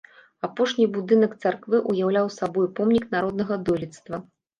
Апошні будынак царквы ўяўляў сабой помнік народнага дойлідства.